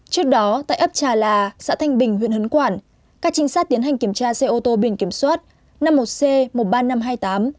trước đó tại ấp trà là xã thanh bình huyện hớn quản các trinh sát tiến hành kiểm tra xe ô tô biển kiểm soát năm mươi một c một mươi ba nghìn năm trăm hai mươi tám